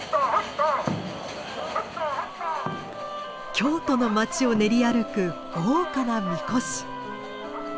京都の町を練り歩く豪華な神輿。